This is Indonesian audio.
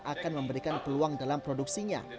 akan memberikan peluang dalam produksinya